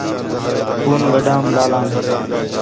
فون گڈھام لالام